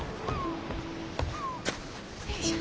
よいしょ。